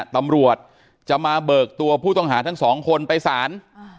ตำรวจจะมาเบิกตัวผู้ต้องหาทั้งสองคนไปสาร